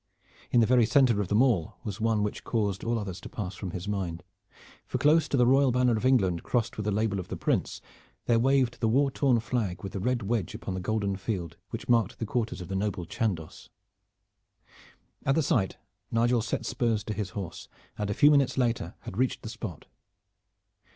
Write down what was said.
In the very center of them all was one which caused all others to pass from his mind, for close to the royal banner of England, crossed with the label of the Prince, there waved the war worn flag with the red wedge upon the golden field which marked the quarters of the noble Chandos. At the sight Nigel set spurs to his horse, and a few minutes later had reached the spot.